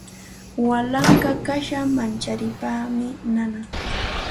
Wallankuy kasha mancharipaqmi nanan.